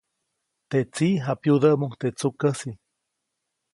Teʼ tsiʼ japyudäʼmuŋ teʼ tsukäsi.